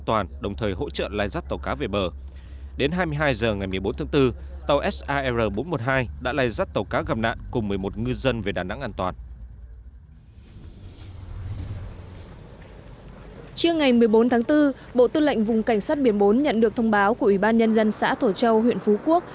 bốn tháng bốn bộ tư lệnh vùng cảnh sát biển bốn nhận được thông báo của ủy ban nhân dân xã thổ châu huyện phú quốc